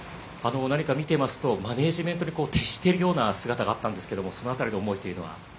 見ていますと、マネジメントに徹しているような姿があったんですけどもその辺りの思いというのは？